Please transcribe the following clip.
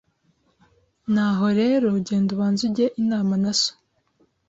Ni aho rero genda ubanze ujye inama na so,